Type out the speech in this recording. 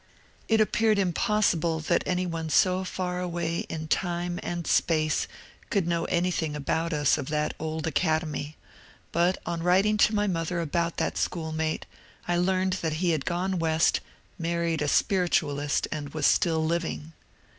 It appeared impossible that any one so far away in time and space could know anything about us of that old academy ; but on writing to my mother about that schoolmate, I learned that he had gone West, mar ried a spiritualist, and was still living.